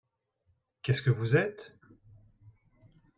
Qu'est-ce que vous êtes ?